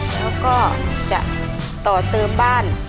แล้วก็จะต่อเติมบ้าน